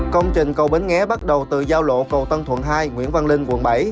công trình cầu bến nghé bắt đầu từ giao lộ cầu tân thuận hai nguyễn văn linh quận bảy